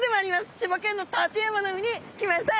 千葉県の館山の海に来ましたよ！